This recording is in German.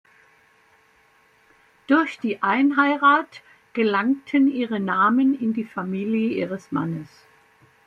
Durch die Einheirat gelangten ihre Namen in die Familie ihres Mannes.